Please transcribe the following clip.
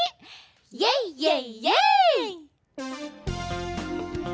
「イェイイェイイェイ！」。